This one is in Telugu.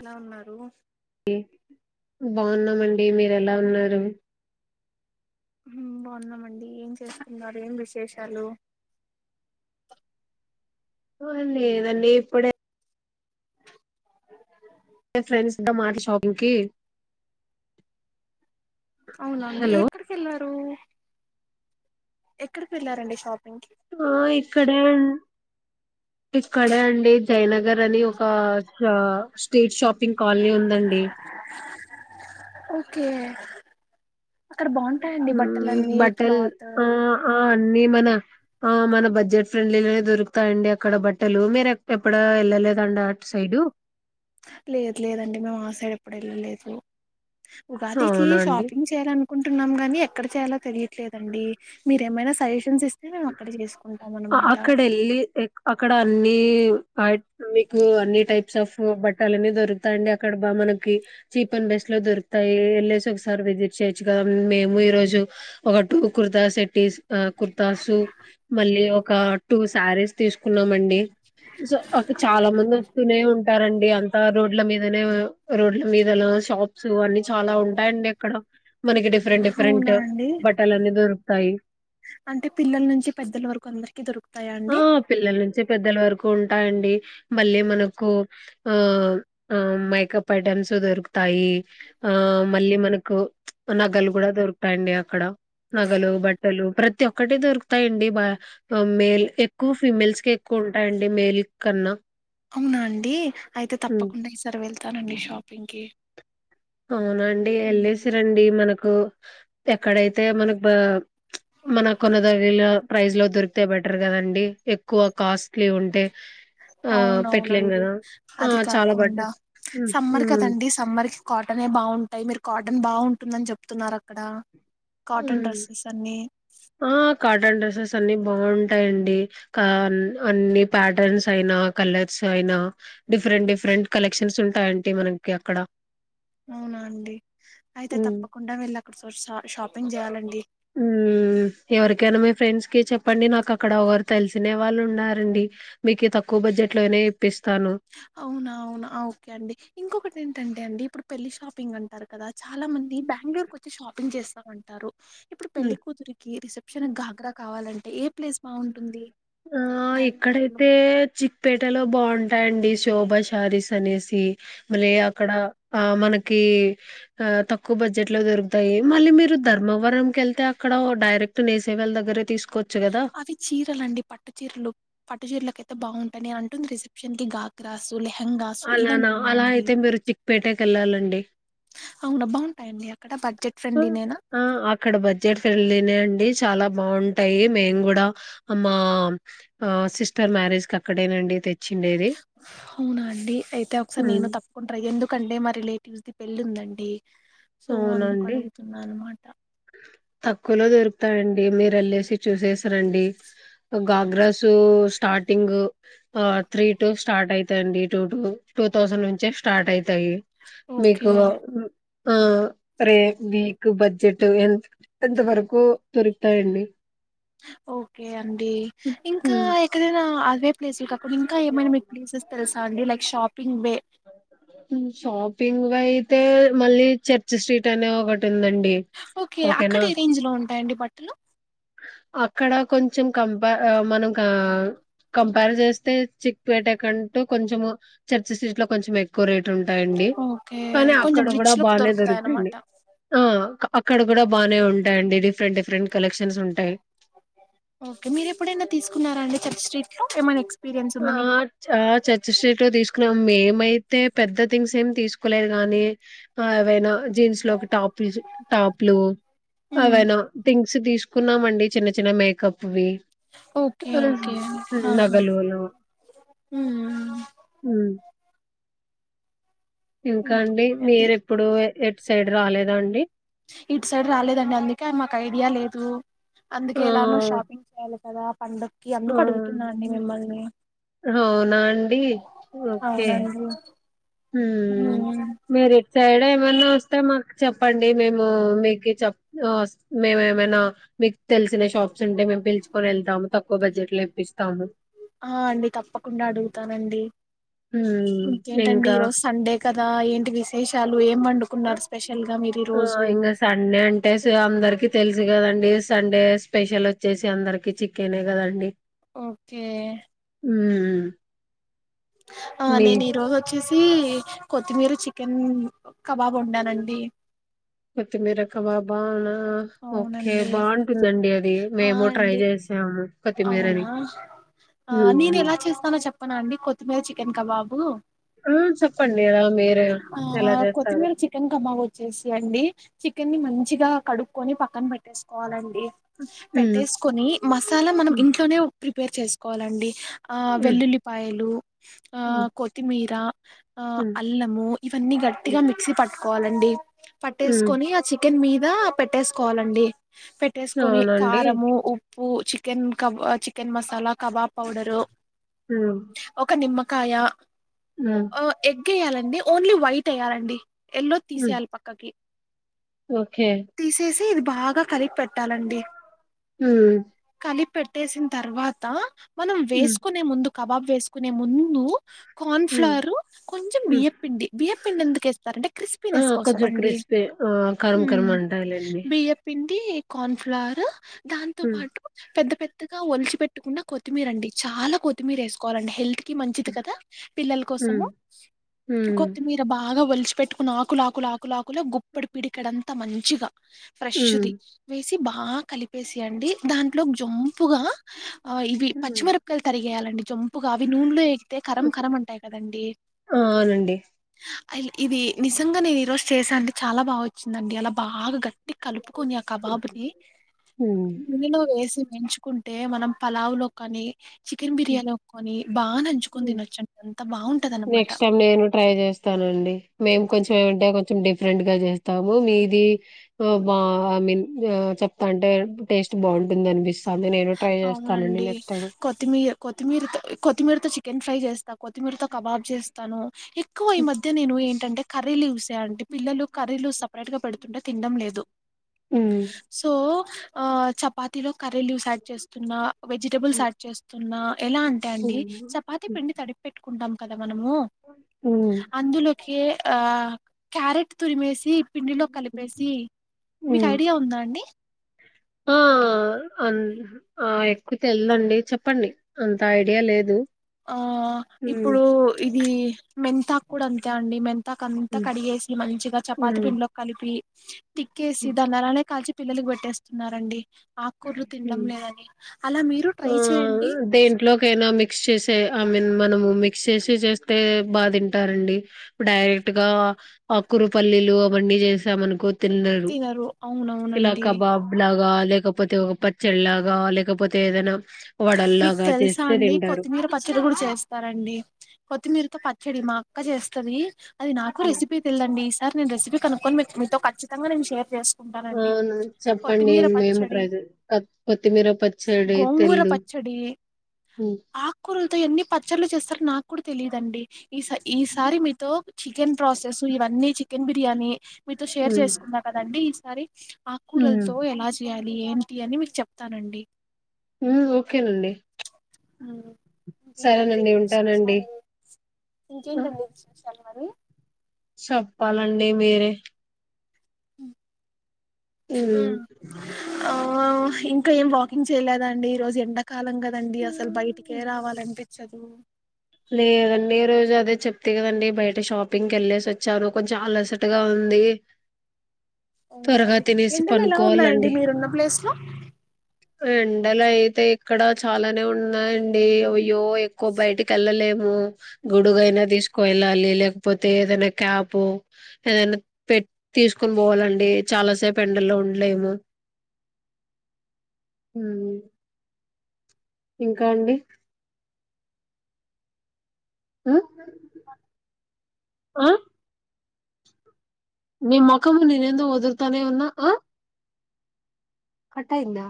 ఎలా ఉన్నారు డి బాగున్నామండి మీరు ఎలా ఉన్నారు బాగున్నాం అండి ఏం చేస్తున్నారు ఏం విశేషాలు ఓ లేద్ దండి ఇప్పుడే ఏ ఫ్రెండ్స్ ద మాట షాపింగ్ కి అవునండి హలో ఎక్కడికెల్లారు వెళ్ళారండి షాపింగ్ కి ఆ ఇక్కడే అన్ ఇక్కడే అండి జయనగర్ అని ఒక స్ట్రీట్ షాపింగ్ కాలనీ ఉందండి ఓకే అక్కడ బాగుంటాయండి మ్మ్ బట్టలన్నీ బట్టల్ క్లాత్ ఆ ఆ అన్ని మన ఆ మన బడ్జెట్ ఫ్రెండ్లీ దొరుకుతాయిండి అక్కడ బట్టలు మీరు ఎప్ ఎప్పుడ వెళ్ళలేదండి అట్ సైడు లేదు లేదండి మేము ఆ సైడ్ ఎప్పుడు వెళ్ళలేదు ఉగాదికి అవునా అండి షాపింగ్ చేయాల కుంటున్నాం కాని ఎక్కడ చేయాలో తెలియ ట్లేదు అండి మీరేమైనా సజెషన్స్ ఇస్తే మే అక్కడికి చేసుకు అక్కడ వెళ్ళి అక్కడ అన్ని మీకు అన్ని టైప్స్ ఆఫ్ బట్ట లని దొరుకుతాయిడి అక్కడ బా మనకి చీప్ అండ్ బెస్ట్ లో దొరుకుతాయి వెళ్ళసి ఒకసారి విజిట్ చేయొచ్చు కదాం మేము ఈ రోజు ఒక టటు కుర్తా సెట్టి కుర్తాసు మళ్ళీ ఒక టూ శారీస్ తీసుకున్నామ అండి సో అ చాలా మంది వస్తూనే ఉంటారండి రోడ్ల మీదనే రోడ్ల మీద షాప్స్ అన్ని చాలా ఉంటాయిడి అక్కడ మనకి డిఫరెంట్ డిఫరెంట్ అవునా అండి బట్టలు అన్న దొరుకుతాయి అంటే పిల్లల నుంచి పెద్దల వరకు అందరికి దొరుకుతాయా ఆ అండి పిల్లల నుంచి పెద్దల వరకు ఉంటాయండి మళ్ళీ మనకు ఆ ఆ మేకప్ ఐటెమ్స్ దొరుకుతాయి ఆ మళ్ళీ మనకు నగలు కూడా దొరుకుతాయండి అక్కడ నగలు బట్టలు ప్రతి ఒక్కటి దొరుకుతాయిడి బా మేల్ ఎక్కువ ఫీమేల్స్ క ఎక్కువ ఉంటాయండి మేల్ కన్నా అవునా అండి అయితే తప్పకుండా ఈసారి వెళ్తానండి షాపింగ్ కి అవునండి వెళ్సిరండి మనకు హ మన కొనదగిన ప్రైజ్ లో దొరికితే బెటర్ కదండి ఎక్కువ కాస్ట్లీ ఉంటే ఆ పెట్టలేం అవునవునండి కదా ఆ అది చాలా కాకుండా బట్టర్ హ్మ్ సమ్మర్ హ్మ్ కదండి సమ్మర్ కి కాటన్ బాగు ఉంటాయి మీరు కాటన్ బాగుంటుందని చెప్తున్నారుార అక్కడ కాటన్ హ్మ్ డ్రెస్సెస్ అన్నిీ ఆ కాార్టన్ డెసస్ని అన్ని బాగుంటాయిడి అన్ని ప్యాటర్న్స్ అయినా కలర్స్ అయినా డిఫరెంట్ డిఫరెంట్ కలెక్షన్స్ ఉంటాయి అంటడి మనకి క అక్కడ అవునా అండి అయితే హ్మ్ తప్పకుండా వెళ్ళ అక్కడ చ వర్ ఎవరికైనా మీ ఫ్రెండ్స్ కి చెప్పండి నాకు అక్కడ ఒకరు తెలిసిన వాళ్ళు ఉ రంండి మీకు తక్కువ బడ్జెట్ లోనే ఇప్పిస్తాను అవునా అవునా ఆ, ఓకే అండి ఇంకొకటి ఏంటంటే అండి ఇప్పుడు పెళ్లి షాపింగ్ అంటారు కదా చాలా మంది బెంగళూరుచ్చ షాపింగ్ చేస్తా ఉంటారు ఇప్పుడు పెళ్ళ హ్మ్ కూతురికి రసెప్ గాఘ్రా కావాలంటే ఏ ప్లేస్ బాగుంటుంది బ తే చిక్పేటలో బాగుం టయండి శోభ శారీస్ అనేసి మళ్ళీ అక్కడ ఆ మనకి ఆ తక్కువ బడ్జెట్ లో దొరుకుతాయి మళ్ళీ మీరు ధర్మవరం కేళ్తే అక్కడ డైరెక్ట్ నేసేవాళ్ళ దగ్గరే తీసుకోవచ్చు కదా అవి చీరలండి పట్టు చీరలు పట్టు చీరలకు కైతే బావుం అని అంటుంది రిసెప్షన్ క గా గ్రాస్ లహెంగసు ఇవెన్ అలానా అలా అయితే మీరు చిక్పేటకి కేళ్ళాలండి అవున బాగుంటాయండి అక్కడ బడ్జెట్ ఆ ఫ్రెండ్లీ నేనా ఆ ఆక్కడ బజెట్ ఫిర్లి అ డి చాలా బాగుంటాయి మేము కూడా మా ఆ సిస్టర్ మ్యారేజ్ కి అక్కడేనండి తెచ్చిండేది అవునా అండి అయితే ఒకసారి హ్మ్. నేను తప్పకుంటా ట్రై ఎందుకంటే మా రిలేటివ్స్ పెల్లి ఉందండి సో అందుకు అవునండి అడుగుతున్నా అనమాట డి మీరే లే సి చూసేసానండి గాగ్రాస్ స్టార్టింగ్ ఆ త్రీ టు స్టార్ట్ అయితాండి టూ టు టూ థౌసండ్ నుంచే స్టార్ట్ అయితాయి ఓకే మీకు ఆ రే వీక్ బడ్జెట్ ఎంత వరకు దొరుకుతాయండి ఓకే అండి ఇంకా ఎక్కడైనా అవే ప్లేసులు కాకుండా ఇంకా ఏమైనా మీకు ప్లేసెస్ తెలుసా అండి లైక్ షాపింగ్ వే ఉ షాప్ పింగ్ వై అయితే మళ్ళీ చర్చ్ స్ట్రీట్ అనే ఒకటి టుందండీ ఓకే అక్కడ ఓకేనా ఏ రేంజ్ లో ఉంటాయండి బట్టలు అక్కడ కొంచెం కంప ఆ మనం కా ఆ కంపేర్ చేస్తే చిక్పేట కంటూ కొంచెము చర్చి స్టీట్ లో కొంచెం ఎక్కువ రేట్ ఉంటాయండి ఓకే కానీ కొంచెం అక్కడ కూడా రిచ్ లుక్ బాగానే దొరుకుతైలే దొరుకుతాయన్నమాట ఆ అక్కడ కూడా బాగానే ఉంటాయండి డిఫరెంట్ డిఫరెంట్ కలెక్షన్స్ ఉంటాయి ఓకే మీరు ఎప్పుడైనా తీసుకున్నారా అండి చర్చ్ స్ట్రీట్ లో ఏమ ఎక్స్ ఆ ఆ చ చర్చ్ స్ట్రీట్లో తీసుకున్నాం మేమైతే పెద్ద థింగ్స్ ఏమి తీసుకోలేదు గానీ ఆ ఏవైనా జీన్స్ లోకి ట్యాపిస్ టాప్లు హ్మ్ ఏవైనా థింగ్స్ తీసుకున్నాము అండి చిన్న చిన్న మేకప్ వి ఓకే నగలు లులో హ వో ఇంకా అండి ఇంకేంటి మీరు ఎప్పుడు ఎట్ సైడ్ రాలేద అండి ఇటు సైడ్ రాలేదండి అందుకే మాకు ఐడియా లేదు అందుకే ఆ! ఎలానూ షాపింగ్ చేయాల కదా పండక్కి ఆ! అందుకు అడుగుతున్నా అండి మిమ్మల్ని అవునా అండి? అవునండి హ హ్మ్ మరు సైడ్ ఏమనా వస్తే మాకు చెప్పండి మేము మీకు చె మేము ఏమైనా మీకు తెలిసిన షాప్స్ ఉంటే మేము పిలుచుకొని వెళ్తాము తక్కు ఎ బజట్ ఇేపిస్తంది ఆ అండి తప్పకుండా అడుగుతానండి హ్మ్. ఇంకేంటండి ఇంకా ఈరోజు సండే కదా ఏంటి విశేషాలు ఏమంట న్నారు స్పెషల్ గా మీరు ఈ రోజు ఆ ఇంకా సండే అంటే అందరికి తెలుసు కదండి పలీ సండే స్పెషల్ వచ్చేసి అందరికి చికెనే కదండి ఓకే ఉ ఆ నేను ఈ రోజు వచ్చేసి ఇది కొత్తిమీర చికెన్ కబాబ్ు ఉండాలండి పతే మరా కబబానా ఆ ఓకే అవునండి బాగుంటుందండి అది ఆ మేము ట్రై అండి చేసాము అవునా కొత్తిమీరది ఆ నేను ఉహు ఎలా చేస్తాన చెప్పన అండి కొత్తిమీర చికెన్ కబాబు ఆ చెప్పండి రా ఆ కొత్తి మల చికెన్ కమ్గతు వచ్చేసి అండి చికెన్ మంచిగా కడుక్కకొని పక్కన పెట్టేసుకోవాలండి ఉమ్ పెట్టేకొని మసాలా మనం ఇంట్లోనే ప్రిపేర్ చేసుకోవాలండి ఆ ఉమ్ వెల్లుల్లిపాయలు ఆ ఉమ్ కొత్తిమీర ఆ ఉమ్ అల్లము ఇవన్నీ గట్టిగా మిక్సీ పట్టు కోాలండి ఉమ్ పట్టేసుకొని ఆ చికెన్ మీద దా పెట్టేసుకోవాలండి పెట్టేసుకొని అవునండి కారము ఉ చికెన్ క చికెన్ మసాలా కబాబ్ పౌడరు ఉమ్ ఒక నిమ్ కాయా ఉమ్ ఆ ఎ వయ్యాలండి ఓన్లీ వైట్ వయ్యాలండి ఎల్లో ఉమ్ తీసేయాలి పక్కకి ఓకే తీసేసి ఇది బాగా కలిపట్ పెట్టాలండి ఉమ్ కలి పెట్టేసిన తర్వాత మనం ఉమ్ వేసుకునే ముందుకు కబాబ్ వేసుకునే ముందు ఉమ్ కార్న్ఫ్లర్ కొంచెం ఉమ్ బియ్యపిిండి బియ్యపిిండి ఎందుకుేస్తారంటే ఆ క్రిస్పీనెస్ కోసం కొంచెం అండి క్రిస్పీ ఆ కరం కరం అంటాయిలేండి బియ్యపిిండి కార్న్ఫ్లవర్ దాంతో ఉమ్ పాటు పెద్ద పెద్దగా ఒలిచి పెట్టుకుండా కొత్తిమీర అండి చాలా కొత్తిమీర వేసుకోవాలండి హెల్త్ కి మంచిది కదా పిల్లల కోసము ఉమ్ ఉమ్ కొత్తిమీర బాగా వలిచి పెెట్టుకున్న ఆకులా ఆకులు ఆకులా ఆకుల గుప్పడి పిడికడంతా మంచి శక్షికగా ఉమ్ ఫ్రెష్ది వేసి బాగా వేసియంండి దాంట్లో జంపుగా ఇవి పచ్చిమిరపకాయలు తరిగేయాలండి జంపుగా అవి నూనెలో ఎగితే కరం కరం ఉంటాయి కదండి ఆ అవునండి అ ఇది నిజంగా నేను ఈ రోజు చేశాను అంటే చాలా బాగా వచ్చింద గ ఎలా బాగా గట్టి కలుపుకొని ఆ కబాబుని నన్నలు వేసి మంచుకుంటే మనం పలావ లోకానే చికెన్ బిర్యానీ ఒక్కొని బాగా నంచుకొని తినొచ్చుండి అంత బాగుంటు నెక్స్ట్ టైమ్ నేను ట్రై చేస్తానండి మేం కొంచెం ఏంటే కొంచెం ఫ్రెంట్ గా చేస్తాము మీది బ ఐ మీన్ చెప్తా అంటే టేస్ట్ బాగుంటుంది అనిపిస్తుంది నేను ట్రై చేస్తానండి అవునండి నెక్స్ట్ టైం కొత్తిమీర కొత్తిమీరతో కొత్తిమీరతో చికెన్ ఫ్రై చేస్తాను కొత్తిమీరతో కబాబ్ చేస్తాను ఎక్కువ ఈ మధ్య నేను ఏంటంటే కర్రీలు చూసా అంటడి పిల్లలు కర్రీలు సపరేట్ గా పెడుతుంటే తినడం లేదు ఉమ్. సో ఆ చపాతిలో కర్రీలు యాడ్ చేస్తున్నా వెజిటబుల్స్ యాడ్ చేస్తు ఆ ఎలా అంటా అండి చపాతి ఉమ్. పిండి తడిపి పెట్టుకు కదా మనము అందులోకి ఆ క్యారెట్ తురిమేసి పిండిలో కలిపేసి మీకు మ్మ్ ఐడియా ఉందా అండి ఆ ఆ ఎక్కువ తెల్దండి చెప్పండి అంత ఐడియా లేదు ఆ ఉమ్. ఇప్పుడు ఇది మెంతాకు కూడా అంతే అండి మెన్ తా కంత ఉమ్. కడిగేసి మంచిగా చపాతి ఉమ్. పిండ్లోకి కలిపి తిక్కేసి దాన్ని అలానే కాల్చి పిల్లలకి పెట్టేస్తున్నారండి ఆకుకూరలు తినడం ఉమ్. లేదని అలా మీరు ట్రై చేయండి దేంట్లోకైనా మీ క్స్ చేసే ఐ మీన్ మనము క్స్ చేసి చేస్తే బా తింటారండి ఇప్పుడు డైరెక్ట్ గా ఆకురు పల్లిలు అవన్నీ చేస్ ద మనుకు తిన్నారు తినరు ఇలా అవునవునండి కబాబ్ లాగా లేక పోతే ఒకప్ప చెల్లాగా లేకపోతే ఏదన్న మీకు తెలుసా అండి కొత్తిమీర పచ్చడి కూడా చేస్తారంండి కొత్తిమీరతో ప చ్చళ్ళు మా అక్క చేస్తది అది నాకు రెసిపీ తెల్లండి ఈ సార్ నేను రెసిపీ మీక్ అనుకొని మీ మీతో కచ్చితంగా నేను షేర్ చేస్ అవును చెప్పండి మేము పచ్చడి ట్రైజే అ కొత్తిమీర పచ్చడి గోంగూర తెల్దు పచ్చడి హ్మ్. ఆక్కూరల్తో ఎన్ని పచ్చళ్లు చేస్తారు నాక్ క్కూడు తెలీదండి ఈ స ఈసారి మీతో చికెన్ ప్రాసెస్ ఇవన్నీ చికెన్ బిర్యానీ మీతో షేర్ హ్మ్. చేసుకున్నా కదండి. సారి హ్మ్. ఆక్కూరల్తో ఎలా చేయా లి ఏంటి అని మీకు చెప్తానండి మ్మ్ ఓకేనండి ఇంకేంటండి సరేనండి ఉంటానండి చూసారు. ఆ! ఇంకేంటండి మీ చూసారు మరి చెప్పాలండి మీరే ఉహ్ ఉహ్మ్ ఆహ్ ఇంకా ఏం వాకింగ్ చేయలేదండి. ఈ రోజు ఎండక్ కాలం కదండి. అసలు బయటికే రావాలనిపించదు. లేదండి ఈ రోజు అదే చెప్తి కదండి. బయట షాపింగ్కి వెళ్ళేసి వచ్చాను. కొంచెం అలసటుగా ఉంది. త్వరగా అవునాండి. తినేసి ఎండాలో ఎలా ఉన్నాయండి పనుకోవాలండి మీరున్న ప్లేస్ లో ఎండలు అయితే ఇక్కడ చాలానే ఉన్నాయండి. అయ్యో ఎక్కువ బయిటిక్ లేము గోడుగైనా తీసుస్కో కోయలాలి లేకపోతే. ఏదైనా క్యాప్, ఏదైనా పెట్ తీసుకొని పోవాలండి. చాలాసేపు ఎండల్లో వుండ్లేం ము. ఉహ్ ఇంకా అండి ఆహ్ ఆహ్ ని మోఖము నేనిందు వదుల్తనే ఉన్నా. ఆహ్ కట్టాయిందా.